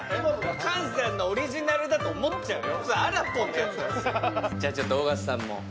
菅さんのオリジナルだと思っちゃうよ。